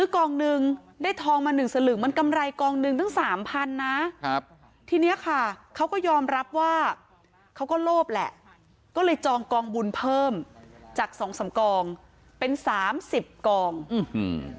เขาก็โลภแหละก็เลยจองกองบุญเพิ่มจากสองสำกล้องเป็นสามสิบกล่องอืมอืม